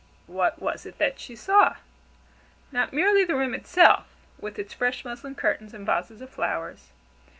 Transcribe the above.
What was it that she saw? Not merely the room itself, with its fresh muslin curtains and vases of flowers.